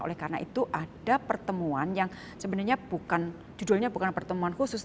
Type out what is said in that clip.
oleh karena itu ada pertemuan yang sebenarnya judulnya bukan pertemuan khusus